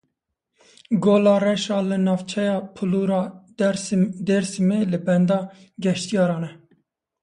Gola Reş a li navçeya Pulura Dêrsimê li benda geştyaran e.